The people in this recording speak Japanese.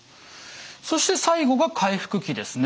そして最後が回復期ですね。